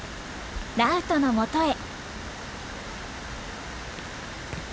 ラウトのもとへ。